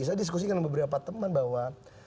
saya diskusikan dengan beberapa teman bahwa